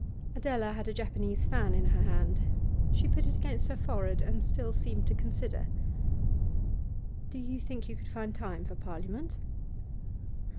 Adela had a Japanese fan in her hand; she put it against her forehead, and still seemed to consider. 'Do you think you could find time for Parliament?